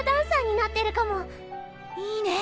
いいね！